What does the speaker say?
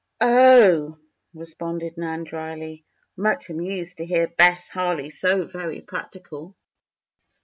"Oh!" responded Nan, drily, much amused to hear Bess Harley so very practical.